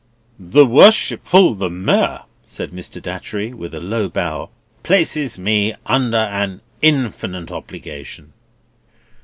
"The Worshipful the Mayor," said Mr. Datchery, with a low bow, "places me under an infinite obligation."